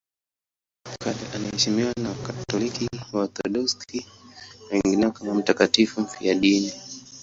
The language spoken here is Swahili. Tangu kale anaheshimiwa na Wakatoliki, Waorthodoksi na wengineo kama mtakatifu mfiadini.